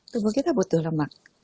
tumpuh kita butuh lemak